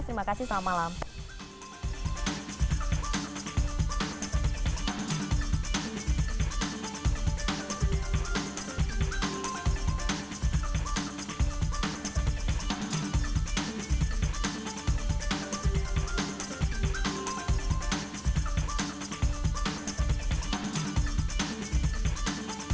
terima kasih selamat malam